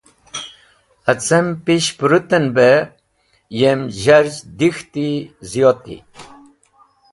Acem pish pũrũt en be yem zharzh dek̃hti ziyoti.